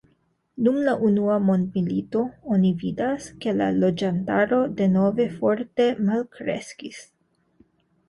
Dum la Unua Mondmilito oni vidas, ke la loĝantaro denove forte malkreskis.